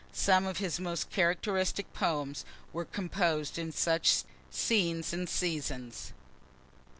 Some of his most characteristic poems were composed in such scenes and seasons.)